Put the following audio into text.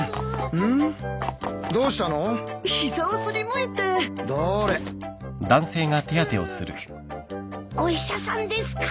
ううお医者さんですか？